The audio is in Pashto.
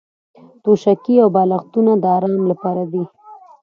توشکې او بالښتونه د ارام لپاره دي.